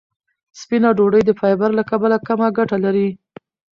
سپینه ډوډۍ د فایبر له کبله کمه ګټه لري.